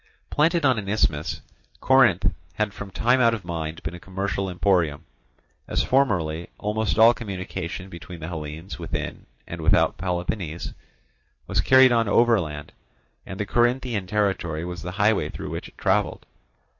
Planted on an isthmus, Corinth had from time out of mind been a commercial emporium; as formerly almost all communication between the Hellenes within and without Peloponnese was carried on overland, and the Corinthian territory was the highway through which it travelled.